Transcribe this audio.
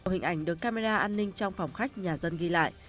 hình ảnh được camera an ninh trong phòng khách nhà dân ghi lại